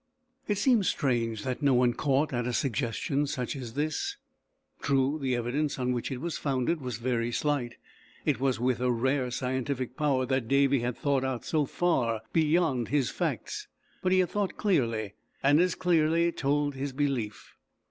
It seems strange that no one caught at a suggestion such as this. True, the evidence on which it was founded was very slight; it was with a rare scientific power that Davy had thought out so far beyond his facts; but he had thought clearly, and as clearly told his belief.